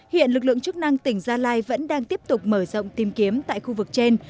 hiện lực lượng chức năng tỉnh gia lai vẫn đang tiếp tục mở rộng tìm kiếm tại khu vực trên